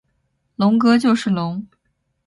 龙哥就是龙！